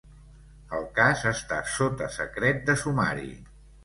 El cas està sota secret de sumari.